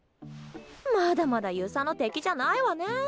まだまだ遊佐の敵じゃないわね。